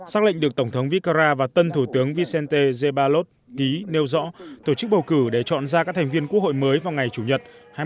sắc lệnh được tổng thống vizcarra và tân thủ tướng vicente zébalot ký nêu rõ tổ chức bầu cử để chọn ra các thành viên quốc hội mới vào ngày chủ nhật hai mươi sáu tháng một hai nghìn hai mươi